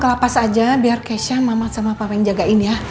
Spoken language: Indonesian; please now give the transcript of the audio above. lepas aja biar keisha mama sama papa yang jagain ya